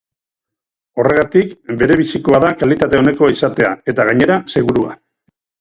Horregatik, berebizikoa da kalitate onekoa izatea, eta gainera, segurua.